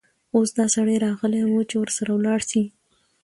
اوس دا سړى راغلى وو، چې ورسره ولاړه شې.